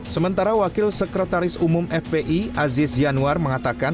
sementara wakil sekretaris umum fpi aziz yanwar mengatakan